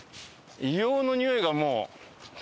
硫黄のにおいがもう。